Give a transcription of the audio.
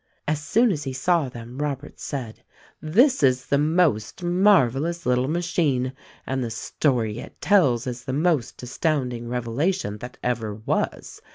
As soon as he saw them Robert said : "This is the most marvelous little machine, and the story it tells is the most astounding revelation, that ever was.